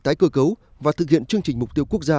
tái cơ cấu và thực hiện chương trình mục tiêu quốc gia